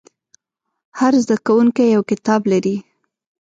هر زده کوونکی یو کتاب لري.